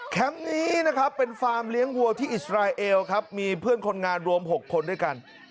นี้นะครับเป็นฟาร์มเลี้ยงวัวที่อิสราเอลครับมีเพื่อนคนงานรวม๖คนด้วยกัน